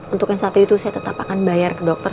untuk yang satu itu saya tetap akan bayar ke dokter